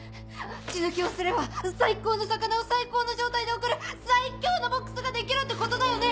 血抜きをすれば最高の魚を最高の状態で送る最強のボックスが出来るってことだよね！